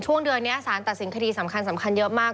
เดือนนี้สารตัดสินคดีสำคัญเยอะมาก